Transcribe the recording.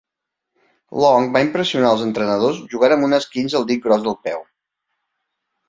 Long va impressionar els entrenadors jugant amb un esquinç al dit gros del peu.